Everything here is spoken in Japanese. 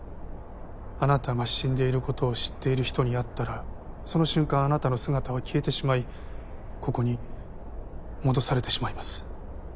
あなたが死んでいることを知っている人に会ったらその瞬間あなたの姿は消えてしまいここに戻されてしまいます。